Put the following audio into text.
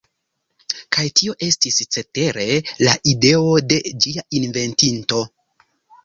Kaj tio estis, cetere, la ideo de ĝia inventinto.